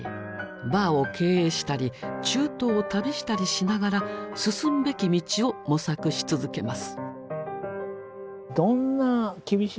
バーを経営したり中東を旅したりしながら進むべき道を模索し続けます。